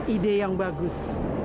ide yang bagus